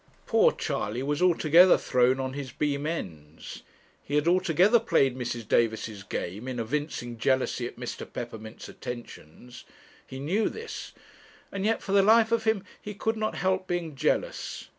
Poor Charley was altogether thrown on his beam ends. He had altogether played Mrs. Davis's game in evincing jealousy at Mr. Peppermint's attentions. He knew this, and yet for the life of him he could not help being jealous.